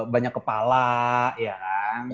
banyak kepala ya kan